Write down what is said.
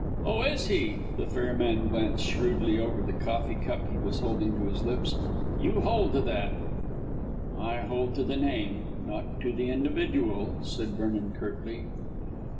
"Oh is he?" The fair man glanced shrewdly over the coffee cup he was holding to his lips. "You hold to that." "I hold to the name, not to the individual," said Vernon curtly.